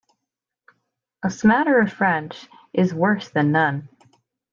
A smatter of French is worse than none.